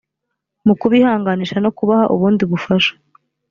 mu kubihanganisha no kubaha ubundi bufasha